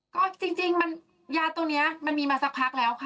ก็จริงมันยาตัวนี้มันมีมาสักพักแล้วค่ะ